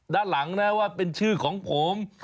ด้านหลังนะว่าเป็นชื่อของผม